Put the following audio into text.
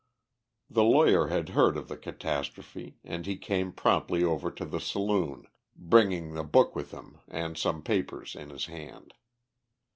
The lawyer had heard of the catastrophe, and he came promptly over to the saloon, bringing the book with him and some papers in his hand.